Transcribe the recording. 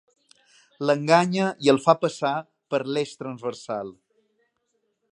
L'enganya i el fa passar per l'Eix Transversal.